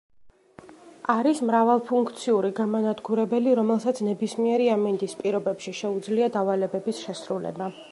არის მრავალფუნქციური გამანადგურებელი რომელსაც ნებისმიერი ამინდის პირობებში შეუძლია დავალებების შესრულება.